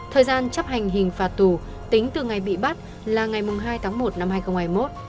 thời gian chấp hành hình phạt tù tính từ ngày bị bắt là ngày hai tháng một năm hai nghìn hai mươi một